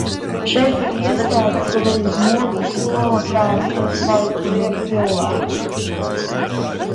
Šeit ir iestāde kur uz moku sola, kā viduslaikos liek cilvēku.